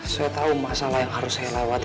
saya tahu masalah yang harus saya lewati